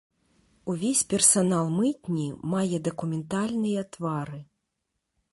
Увесь персанал мытні мае дакументальныя твары.